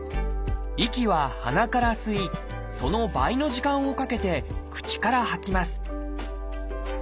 息は鼻から吸いその倍の時間をかけて口から吐きます